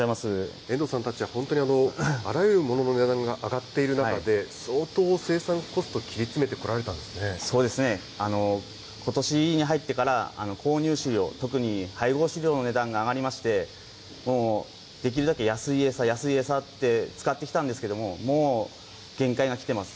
遠藤さんたちは、本当にあらゆる物の値段が上がっている中で、相当、生産コスト、そうですね、ことしに入ってから、購入飼料、特に配合飼料の値段が上がりまして、もう、できるだけ安い餌、安い餌って使ってきたんですけれども、もう限界がきてます。